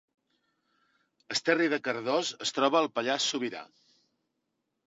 Esterri de Cardós es troba al Pallars Sobirà